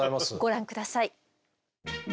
ご覧下さい。